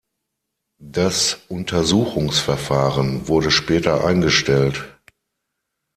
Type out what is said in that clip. Das Untersuchungsverfahren wurde später eingestellt.